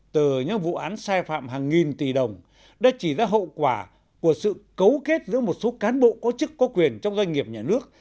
tờ những vụ án sai phạm hàng nghìn tỷ đồng đã chỉ ra hậu quả của sự cấu kết giữa một số cán bộ có chức có quyền trong doanh nghiệp nhà nước